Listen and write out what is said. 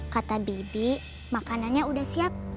kata didi makanannya udah siap